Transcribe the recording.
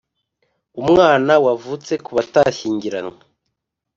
umwana wavutse ku batashyingiranywe